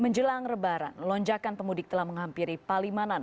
menjelang lebaran lonjakan pemudik telah menghampiri palimanan